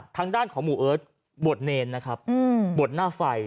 ทางด้านของหมู่เอิร์ทบวชเนรนะครับบวชหน้าไฟ